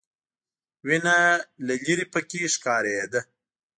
وینه له ليرې پکې ښکارېده.